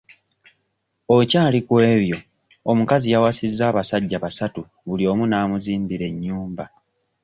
Okyali ku ebyo omukazi yawasizza abasajja basatu buli omu n'amuzimbira ennyumba.